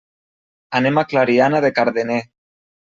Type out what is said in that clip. Anem a Clariana de Cardener.